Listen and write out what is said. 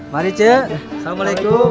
mari cek assalamualaikum